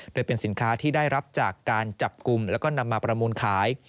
โดยเป็นสินค้าที่ได้รับจากการจับกลุ่มแล้วก็นำมาประมูลขาย